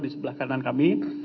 di sebelah kanan kami